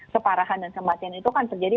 keparahan dan kematian itu kan terjadi